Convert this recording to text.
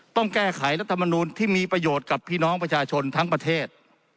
ต้องแก้ไขรัฐมนูลที่มีประโยชน์กับพี่น้องประชาชนทั้งประเทศ